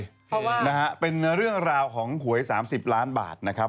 เพราะว่านะฮะเป็นเรื่องราวของหวย๓๐ล้านบาทนะครับ